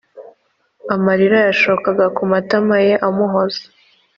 amarira yashokaga ku matamaye amuhoza